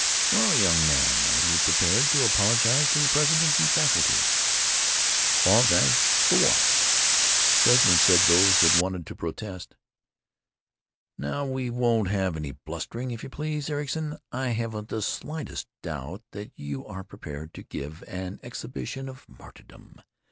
"Well, young man, are you prepared to apologize to the president and faculty?" "Apologize? What for? The president said those that wanted to protest——" "Now we won't have any blustering, if you please, Ericson. I haven't the slightest doubt that you are prepared to give an exhibition of martyrdom.